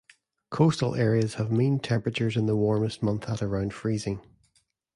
Coastal areas have mean temperatures in the warmest month at around freezing.